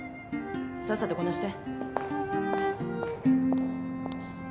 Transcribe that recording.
さっさとこなして。